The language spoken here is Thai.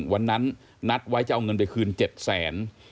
วันนั้นนัดไว้จะเอาเงินไปคืน๗แสน